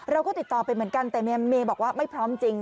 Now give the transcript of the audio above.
เราก็ติดต่อไปเหมือนกันแต่เมย์บอกว่าไม่พร้อมจริง